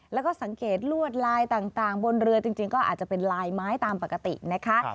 แล้วก็สังเกตลวดลายต่างบนเรือจริงก็อาจจะเป็นลายไม้ตามปกตินะคะ